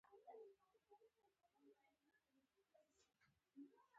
کلوروفیل پاڼو ته شین رنګ ورکوي